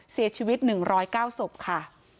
เสียชีวิต๑๐๙ศพค่ะ